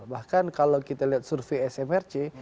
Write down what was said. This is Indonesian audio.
bahkan kalau kita lihat survei smrc